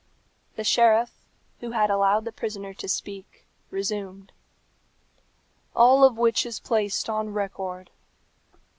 The sheriff, who had allowed the prisoner to speak, resumed, "All which is placed on record."